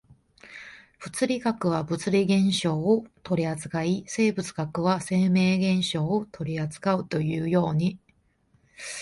物理学は物理現象を取扱い、生物学は生命現象を取扱うというように、